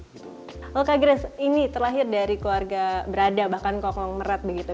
oke kak grace ini terlahir dari keluarga berada bahkan kokong merat begitu